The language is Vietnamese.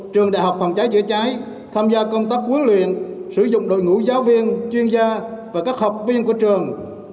trường đại học phòng cháy chữa cháy tham gia công tác huấn luyện sử dụng đội ngũ giáo viên chuyên gia và các học viên của trường